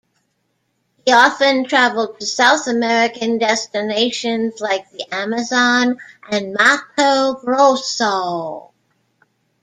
He often travelled to South American destinations like the Amazon and Mato Grosso.